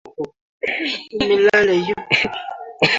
lakini watu wengine hawakumtaka Idi Amin